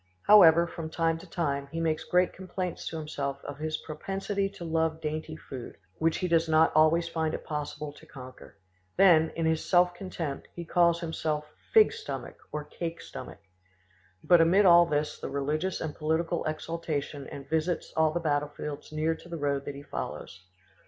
However, from time to time, he makes great complaints to himself of his propensity to love dainty food, which he does not always find it possible to conquer. Then, in his self contempt, he calls himself "fig stomach" or "cake stomach." But amid all this the religious and political exaltation and visits all the battlefields near to the road that he follows.